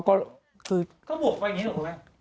คือก็บวกแบบนี้หรอแหม